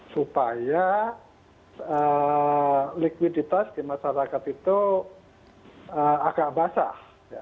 supaya likuiditas di masyarakat itu agak basah